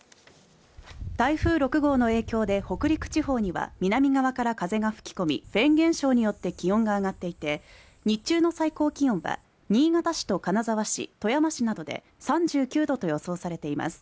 台風６号の影響で北陸地方には南側から風が吹き込みフェーン現象によって気温が上がっていて日中の最高気温は新潟市と金沢市富山市などで３９度と予想されています